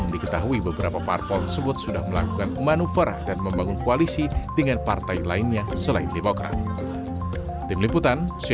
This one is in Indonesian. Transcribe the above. diketahui beberapa parpol tersebut sudah melakukan manuver dan membangun koalisi dengan partai lainnya selain demokrat